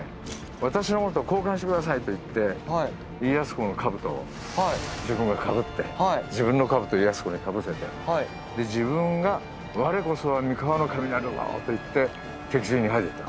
私のと交換してくださいと言って家康公の兜を自分がかぶって自分の兜を家康公にかぶせてで自分が「我こそは三河の守なるぞ！」と言って敵陣に入っていった。